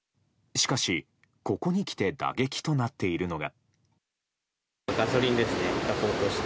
しかし、ここに来て打撃となっているのが。